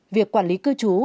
việc quản lý cư trú